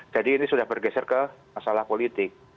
jadi ini sudah bergeser ke masalah politik